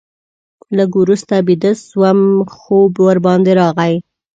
لږ وروسته بیده شوم، خوب ورباندې راغی.